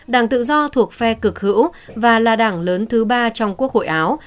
đảng tự do thuộc phe cực hữu và là đảng lớn thứ ba trong quốc hội áo